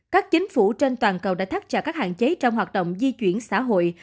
các chính phủ trên toàn cầu đã thác trả các hạn chế trong hoạt động di chuyển xã hội